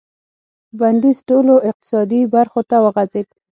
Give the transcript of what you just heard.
بندیز ټولو اقتصادي برخو ته وغځېد.